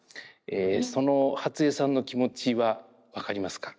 その初江さんの気持ちは分かりますか？